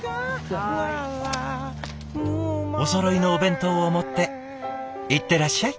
おそろいのお弁当を持っていってらっしゃい！